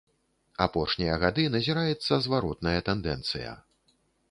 Апошнія гады назіраецца зваротная тэндэнцыя.